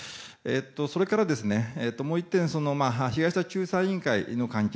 それから、もう１点被害者救済委員会の関係。